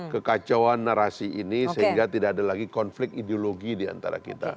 kekacauan narasi ini sehingga tidak ada lagi konflik ideologi diantara kita